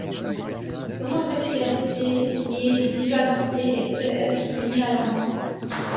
L'homosexualité y est illégale et peut être punie par la mort.